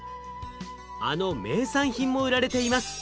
あの名産品も売られています。